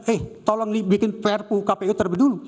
eh tolong dibikin prpu kpu terlebih dulu